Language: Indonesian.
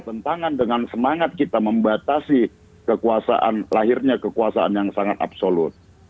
tentangan dengan semangat kita membatasi kekuasaan lahirnya kekuasaan yang sangat absolut